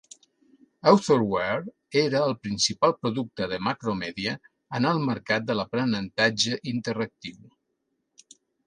Authorware era el principal producte de Macromedia en el mercat de l'aprenentatge interactiu.